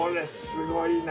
すごい。